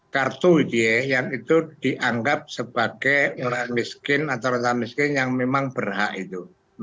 kartu yang itu dianggap sebagai orang miskin atau orang miskin yang memang berhak itu